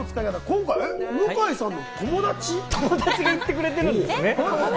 今回、向井さんのお友達が行ってくれてるんですね。